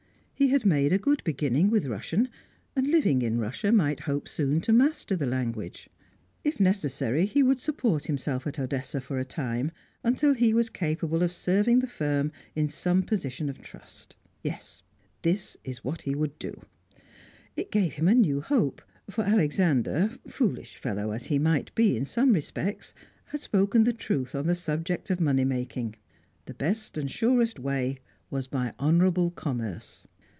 He had made a good beginning with Russian, and living in Russia, might hope soon to master the language. If necessary, he would support himself at Odessa for a time, until he was capable of serving the firm in some position of trust. Yes, this was what he would do; it gave him a new hope. For Alexander, foolish fellow as he might be in some respects, had spoken the truth on the subject of money making; the best and surest way was by honourable commerce.